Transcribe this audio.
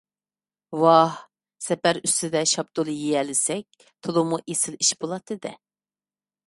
ۋاھ، سەپەر ئۈستىدە شاپتۇل يېيەلىسەك، تولىمۇ ئېسىل ئىش بولاتتى - دە!